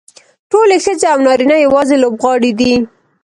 ټولې ښځې او نارینه یوازې لوبغاړي دي.